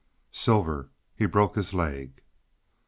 "Silver. He broke his leg."